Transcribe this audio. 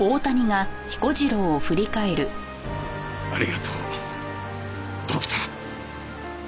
ありがとうドクター。